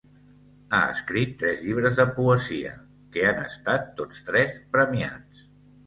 Ha escrit tres llibres de poesia, que han estat tots tres premiats.